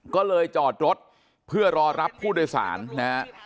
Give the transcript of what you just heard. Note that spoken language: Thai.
ก็เลยจอดรถเพื่อรอรับผู้โดยสารนะฮะ